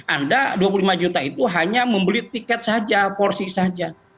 anda dua puluh lima juta itu hanya membeli tiket saja porsi saja